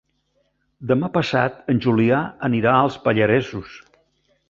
Demà passat en Julià anirà als Pallaresos.